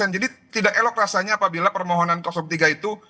jadi tidak elok rasanya apabila permohonan tiga itu